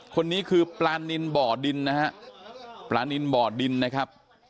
คนนี้คือปลานินบ่อดินนะฮะปลานินบ่อดินนะครับ